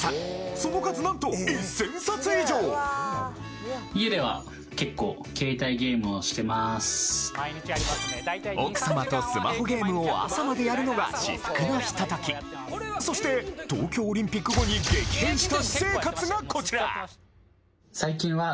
その数なんと奥様とスマホゲームを朝までやるのが至福のひと時そして東京オリンピック後に激変した私生活がこちら！